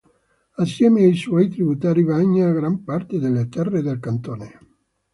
Assieme ai suoi tributari bagna gran parte delle terre del cantone.